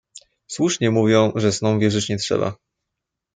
"Słusznie mówią, że snom wierzyć nie trzeba."